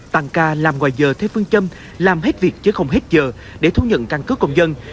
tăng ca làm ngoài giờ theo phương châm làm hết việc chứ không hết giờ để thu nhận căn cứ công dân